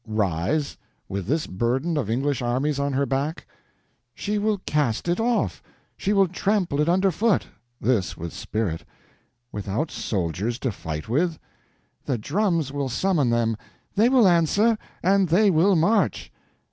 "Rise?—with this burden of English armies on her back!" "She will cast it off; she will trample it under foot!" This with spirit. "Without soldiers to fight with?" "The drums will summon them. They will answer, and they will march."